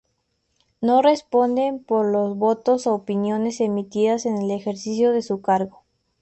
No responden por los votos u opiniones emitidas en el ejercicio de su cargo.